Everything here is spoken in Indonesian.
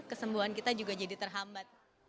kesembuhan kita juga jadi terhambat